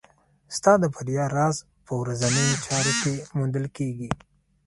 ستا د بریا راز په ورځنیو چارو کې موندل کېږي.